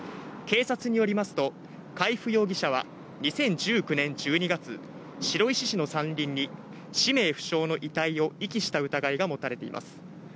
警察によりますと、海部容疑者は２０１９年１２月、白石市の山林に、氏名不詳の遺体を遺棄した疑いが持たれています。